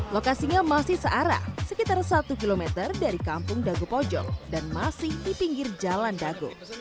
lokasinya masih searah sekitar satu km dari kampung dago pojok dan masih di pinggir jalan dago